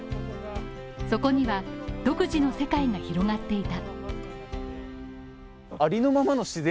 そこには独自の世界が広がっていた。